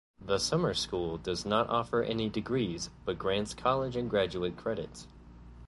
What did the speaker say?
The Summer School does not offer any degrees but grants college and graduate credits.